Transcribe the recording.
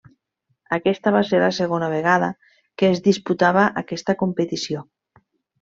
Aquesta va ser la segona vegada que es disputava aquesta competició.